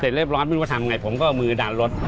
เสร็จเรียบร้อยไม่รู้ว่าทำยังไงผมก็มือด่านรถ